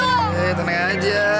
eh tenang aja